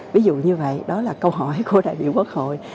ví dụ như vậy đó là câu hỏi đại biểu quốc hội